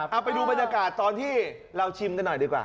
เอาไปดูบรรยากาศตอนที่เราชิมกันหน่อยดีกว่า